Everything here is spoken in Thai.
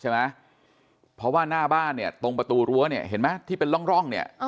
ใช่ไหมเพราะว่าหน้าบ้านเนี่ยตรงประตูรั้วเนี่ยเห็นไหมที่เป็นร่องเนี่ย